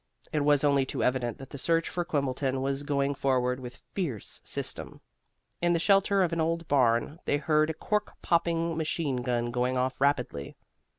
It was only too evident that the search for Quimbleton was going forward with fierce system. In the shelter of an old barn they heard a cork popping machine gun going off rapidly.